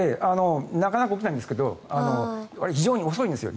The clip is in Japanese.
なかなか起きないんですが非常に遅いんですよ。